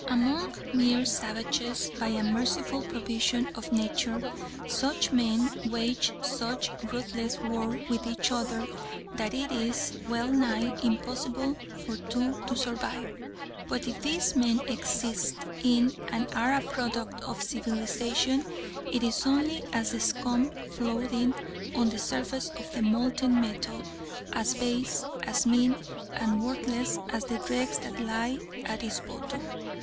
Among mere savages, by a merciful provision of nature, such men wage such ruthless war with each other that it is well nigh impossible for two to survive. But if these men exist in and are a product of civilisation, it is only as the scum floating on the surface of the molten metal, as base, as mean, and worthless as the dregs that lie at its bottom.